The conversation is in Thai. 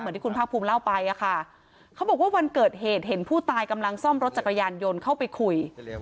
ที่คุณภาคภูมิเล่าไปอะค่ะเขาบอกว่าวันเกิดเหตุเห็นผู้ตายกำลังซ่อมรถจักรยานยนต์เข้าไปคุย